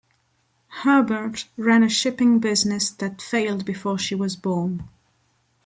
Herbert ran a shipping business that failed before she was born.